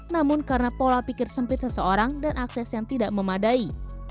namun karena pola pikir sempit seseorang dan akses yang tidak memadai